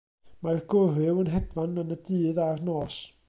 Mae'r gwryw yn hedfan yn y dydd a'r nos.